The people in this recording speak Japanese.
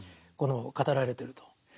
この語られてると。